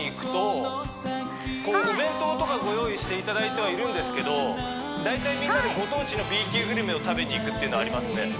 お弁当とかご用意していただいてはいるんですけど大体みんなでご当地のＢ級グルメを食べに行くっていうのはありますね